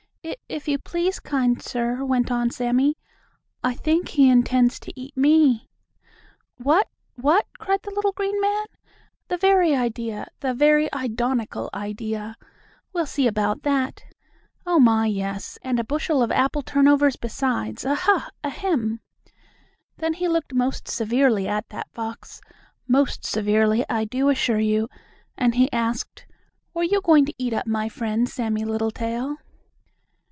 "If if you please, kind sir," went on Sammie, "I think he intends to eat me." "What! What!" cried the little green man. "The very idea! The very idonical idea! We'll see about that! Oh, my, yes, and a bushel of apple turnovers besides! Aha! Ahem!" Then he looked most severely at that fox, most severely, I do assure you, and he asked: "Were you going to eat up my friend Sammie Littletail?"